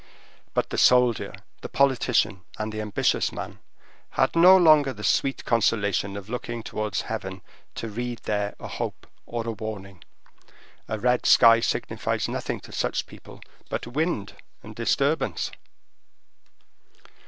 But the soldier, the politician, and the ambitious man, had no longer the sweet consolation of looking towards heaven to read there a hope or a warning. A red sky signifies nothing to such people but wind and disturbance.